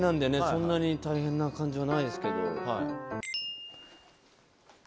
そんなに大変な感じはないですけど。